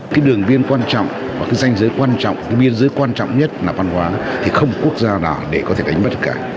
cái đường biên quan trọng và cái danh dưới quan trọng cái biên dưới quan trọng nhất là văn hóa thì không quốc gia nào để có thể đánh bất cả